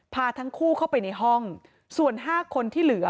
พาทั้งคู่เข้าไปในห้องส่วน๕คนที่เหลือ